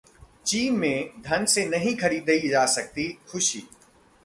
चीन में धन से नहीं खरीदी जा सकती खुशी